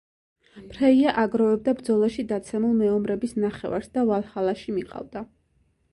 ფრეია აგროვებდა ბრძოლაში დაცემულ მეომრების ნახევარს და ვალჰალაში მიყავდა.